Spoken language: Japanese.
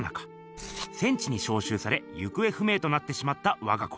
戦地にしょうしゅうされ行方不明となってしまったわが子。